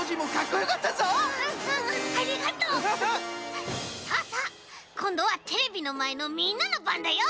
こんどはテレビのまえのみんなのばんだよ。